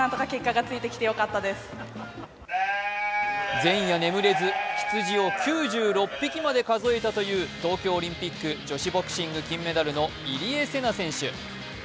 前夜眠れず羊を９６匹まで数えたという東京オリンピック女子ボクシング金メダルの入江聖奈選手。